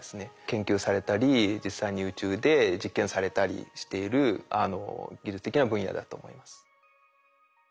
研究されたり実際に宇宙で実験されたりしている技術的な分野だと思います。